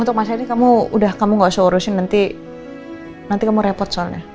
untuk mas adi kamu udah gak usah urusin nanti kamu repot soalnya